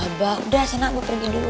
abah udah senang gue pergi dulu